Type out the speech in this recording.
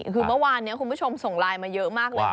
คือเมื่อวานนี้คุณผู้ชมส่งไลน์มาเยอะมากเลย